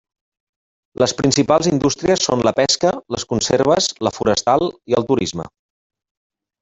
Les principals indústries són la pesca, les conserves, la forestal i el turisme.